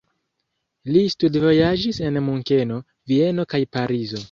Li studvojaĝis en Munkeno, Vieno kaj Parizo.